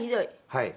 「はい。